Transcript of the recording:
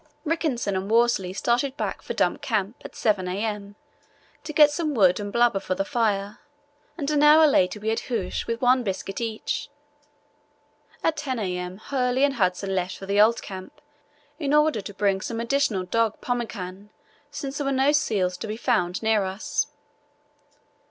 Rickenson and Worsley started back for Dump Camp at 7 a.m. to get some wood and blubber for the fire, and an hour later we had hoosh, with one biscuit each. At 10 a.m. Hurley and Hudson left for the old camp in order to bring some additional dog pemmican, since there were no seals to be found near us.